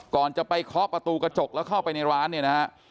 ก่อนจะไปเคาะประตูกระจกแล้วเข้าไปในร้านเนี่ยนะฮะ